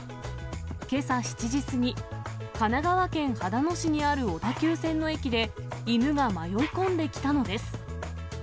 けさ７時過ぎ、神奈川県秦野市にある小田急線の駅で、犬が迷い込んできたのです。